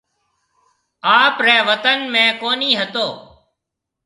آپرَي وطن ۾ ڪونهي هتو۔